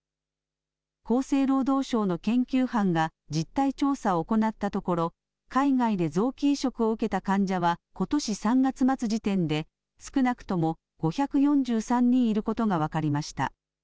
厚生労働省の研究班が実態調査を行ったところ、海外で臓器移植を受けた患者はことし３月末時点で、少なくとも５４３人いることが分かりました。